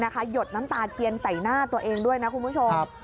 หยดน้ำตาเทียนใส่หน้าตัวเองด้วยนะคุณผู้ชม